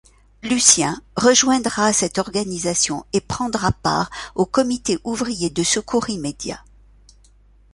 Lucien rejoindra cette organisation et prendra part au Comité ouvrier de secours immédiat.